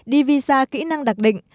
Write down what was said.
đi visa kỹ năng đặc định